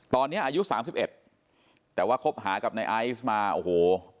ตอนนี้อายุ๓๑แต่ว่าคบหากับนายไอซ์มาโอ้โห